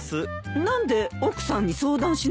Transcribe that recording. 何で奥さんに相談しなかったのかね。